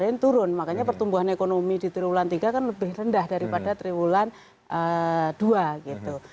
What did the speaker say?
nah makanya pertumbuhan ekonomi di tribulan tiga kan lebih rendah daripada tribulan dua gitu